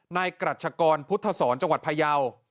นายกรัชกรพุทธศรจังหวัดพยาว